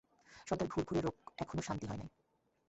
সারদার ঘুরঘুরে রোগ এখনও শান্তি হয় নাই।